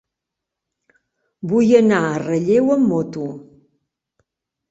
Vull anar a Relleu amb moto.